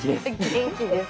元気です。